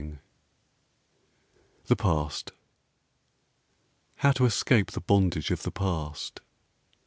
II. THE PAST How to escape the bondage of the past?